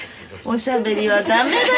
おしゃべりな男は駄目だ！